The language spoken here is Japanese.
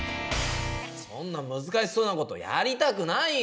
そんな難しそうなことやりたくないよ！